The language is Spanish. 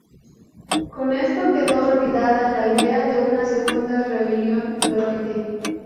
Con esto quedó olvidada la idea de una segunda rebelión droide.